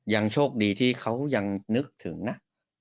ยังโชคดีที่เขายังนึกถึงนะ